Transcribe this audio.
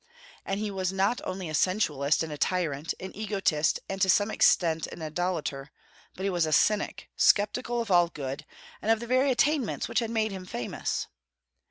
And he was not only a sensualist and a tyrant, an egotist, and to some extent an idolater, but he was a cynic, sceptical of all good, and of the very attainments which had made him famous.